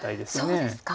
そうですか。